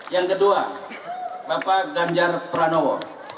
yang kedua bapak ganjar pranowo